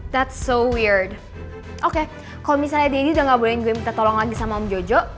that's so weird oke kalo misalnya deddy udah gak bolehin gue minta tolong lagi sama om jojo